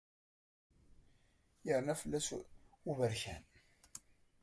Yerna fell-ak uberkan.